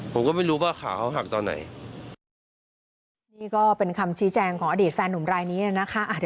ผมก็ไม่รู้ว่าขาเขาหักตอนไหน